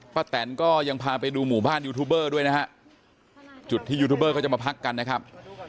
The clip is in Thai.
แตนก็ยังพาไปดูหมู่บ้านยูทูบเบอร์ด้วยนะฮะจุดที่ยูทูบเบอร์เขาจะมาพักกันนะครับ